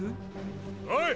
おい！